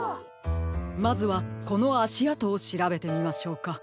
まずはこのあしあとをしらべてみましょうか。